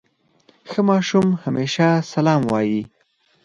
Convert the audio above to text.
ښه ماشوم همېشه سلام وايي.